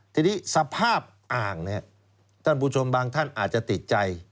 ทีนี้สภาพอ่างเนี่ยท่านผู้ชมบางท่านอาจจะติดใจ